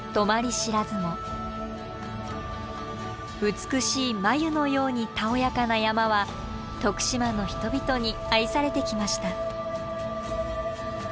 美しい眉のようにたおやかな山は徳島の人々に愛されてきました。